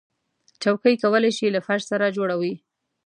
چوکۍ کولی شي له فرش سره جوړه وي.